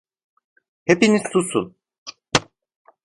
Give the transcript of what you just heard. Hepiniz susun!